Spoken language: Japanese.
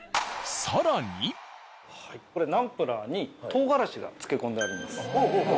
これナンプラーに唐辛子が漬け込んであります。